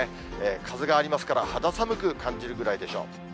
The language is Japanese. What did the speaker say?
風がありますから、肌寒く感じるぐらいでしょう。